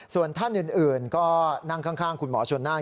ส่วนท่านอื่นก็นั่งข้างคุณหมอชนน่าน